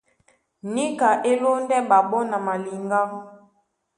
Níka e lóndɛ́ ɓaɓɔ́ na maliŋgá.